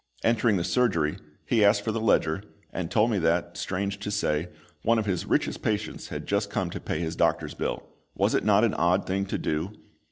Entering the surgery, he asked for the ledger, and told me that, strange to say, one of his richest patients had just come to pay his doctor's bill was it not an odd thing to do?